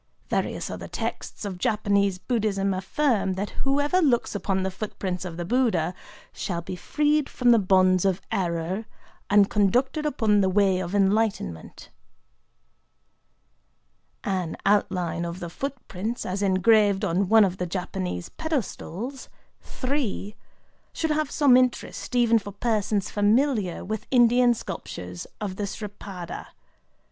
Various other texts of Japanese Buddhism affirm that whoever looks upon the footprints of the Buddha "shall be freed from the bonds of error, and conducted upon the Way of Enlightenment." [Illustration: S'rîpâda tracing at Dentsu In, Koishikawa, Tōkyō] An outline of the footprints as engraved on one of the Japanese pedestals should have some interest even for persons familiar with Indian sculptures of the S'rîpâda.